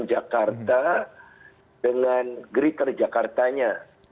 dekarta dengan geriker jakartanya